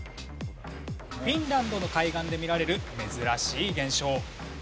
フィンランドの海岸で見られる珍しい現象。